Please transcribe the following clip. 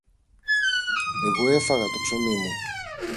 Εγώ έφαγα το ψωμί μου.